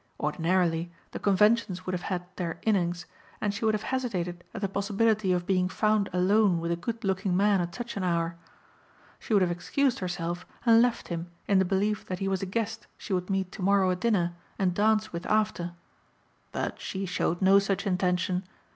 Ordinarily the conventions would have had their innings and she would have hesitated at the possibility of being found alone with a good looking man at such an hour. She would have excused herself and left him in the belief that he was a guest she would meet tomorrow at dinner and dance with after it. But she showed no such intention.